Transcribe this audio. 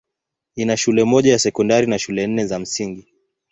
Ina shule moja ya sekondari na shule nne za msingi.